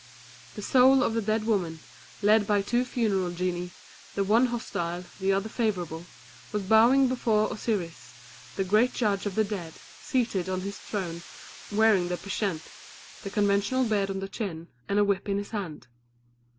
The soul of the dead woman, led by two funeral genii, the one hostile, the other favourable, was bowing before Osiris, the great judge of the dead, seated on his throne, wearing the pschent, the conventional beard on the chin, and a whip in his hand.